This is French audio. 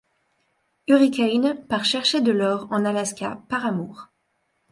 Hurricane part chercher de l'or en Alaska par amour.